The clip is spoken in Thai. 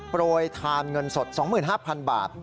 โปรยทานเงินสด๒๕๐๐๐บาท